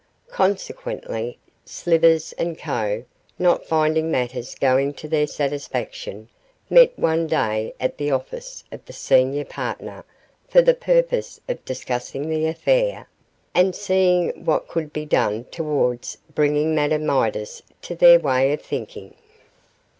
Consequently, Slivers and Co., not finding matters going to their satisfaction, met one day at the office of the senior partner for the purpose of discussing the affair, and seeing what could be done towards bringing Madame Midas to their way of thinking.